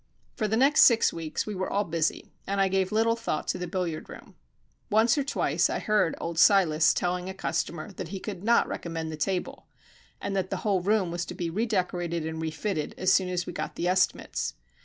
For the next six weeks we were all busy, and I gave little thought to the billiard room. Once or twice I heard old Silas telling a customer that he could not recommend the table, and that the whole room was to be redecorated and refitted as soon as we got the estimates.